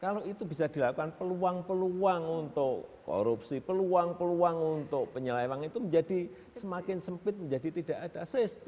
karena itu bisa dilakukan peluang peluang untuk korupsi peluang peluang untuk penyelewang itu menjadi semakin sempit menjadi tidak ada